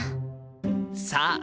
さあ！